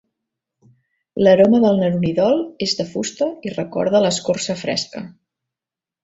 L'aroma del nerolidol és de fusta i recorda a l'escorça fresca.